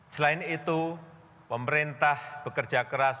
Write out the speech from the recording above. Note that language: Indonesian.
selain itu pemerintah bekerja keras